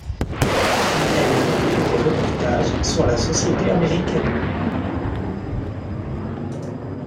Elle effectue des reportages sur la société américaine.